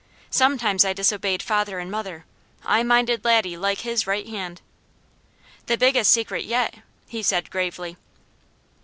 Sometimes I disobeyed father and mother; I minded Laddie like his right hand. "The biggest secret yet," he said gravely.